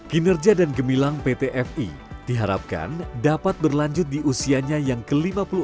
kinerja dan gemilang pt fi diharapkan dapat berlanjut di usianya yang ke lima puluh empat